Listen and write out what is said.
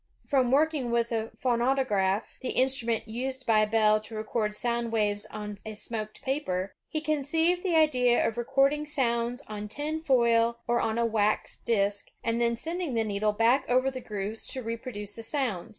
From working with a phonautograph, the instnmient used by Bell to record sound waves on a smoked paper, he conceived the idea of recording sounds on tin foil or on a wax disk, and then sending the needle back over the grooves to repro duce the sounds.